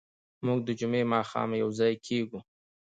موږ د جمعې ماښام یوځای کېږو.